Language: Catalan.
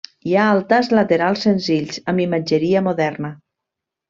Hi ha altars laterals senzills amb imatgeria moderna.